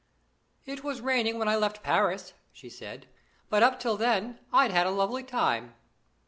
"It was raining when I left Paris," she said; "but up till then I had a lovely time."